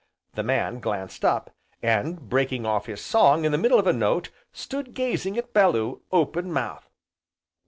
The man glanced up, and, breaking off his song in the middle of a note, stood gazing at Bellew, open mouthed.